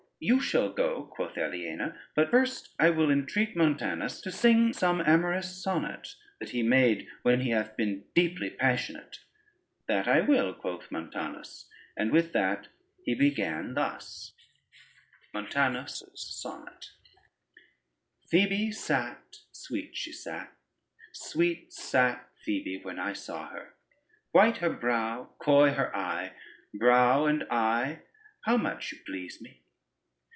"You shall go," quoth Aliena, "but first I will entreat Montanus to sing some amorous sonnet, that he made when he hath been deeply passionate." "That I will," quoth Montanus, and with that he began thus: Montanus's Sonnet Phoebe sate, Sweet she sate, Sweet sate Phoebe when I saw her; White her brow, Coy her eye: Brow and eye how much you please me!